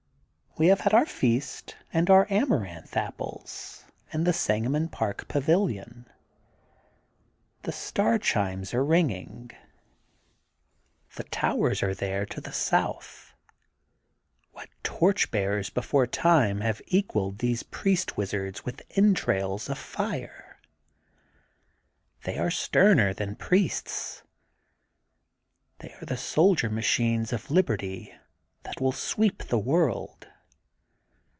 We have had our feast and owt Amaranth Apples in the Sangamon Park pavilion. The star chimes are ringing. The towers are there to the south. What torch bearers before time have equalled these priest wizards with entrails of fire? They are sterner than priests. They are the soldier machines of liberty that will sweep the world.